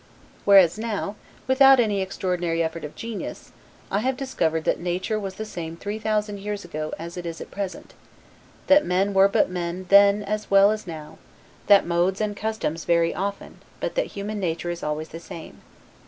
Whereas now, without any extraordinary effort of genius, I have discovered that nature was the same three thousand years ago as it is at present; that men were but men then as well as now; that modes and customs vary often, but that human nature is always the same.